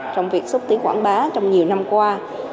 trong việc xúc tiến quảng bá trong nhiều năm qua